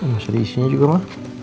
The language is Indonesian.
masih diisinya juga ma